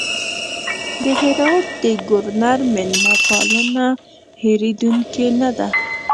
د هرات د ګورنر مېلمه پالنه هېرېدونکې نه ده.